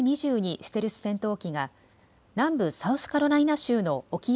ステルス戦闘機が南部サウスカロライナ州の沖合